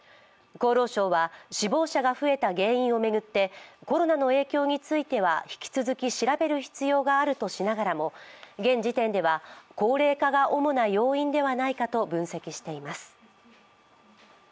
厚労省は死亡者が増えた原因を巡ってコロナの影響については引き続き調べる必要があるとしながらも現時点では高齢化が主な要因ではないかと分析しています。